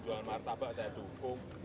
jual martabak saya dukung